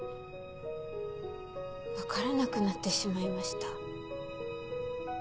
分からなくなってしまいました。